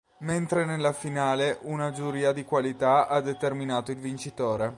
Mentre nella finale una giuria di qualità ha determinato il vincitore.